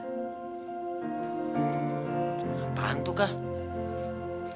apaan itu kak